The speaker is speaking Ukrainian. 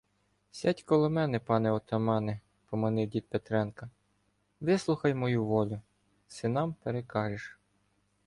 Сядь коло мене, пане отамане, — поманив дід Петренка, — вислухай мою волю — синам перекажеш.